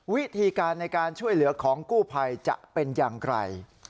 วิธีการในการช่วยเหลือของกู้ภัยจะเป็นอย่างไร